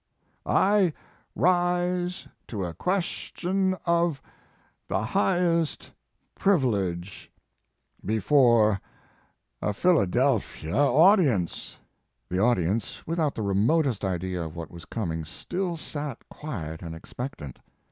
I rise to a question of the highest privilege before a Philadelphia audience." The audience, without the remotest idea of what was coming still sat quiet and expectant.